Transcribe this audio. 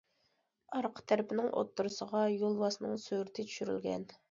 ئارقا تەرىپىنىڭ ئوتتۇرىسىغا يولۋاسنىڭ سۈرىتى چۈشۈرۈلگەن.